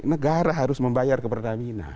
negara harus membayar ke pertamina